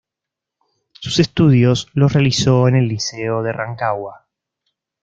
Sus estudios los realizó en el Liceo de Rancagua.